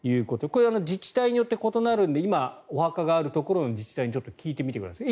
これは自治体によって異なるので今、お墓があるところの自治体に聞いてみてください。